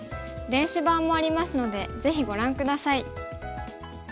電子版もありますのでぜひご覧下さい。